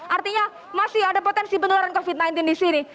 artinya masih ada potensi penularan covid sembilan belas di sini